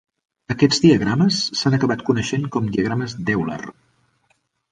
Aquests diagrames s'han acabat coneixent com diagrames d'Euler.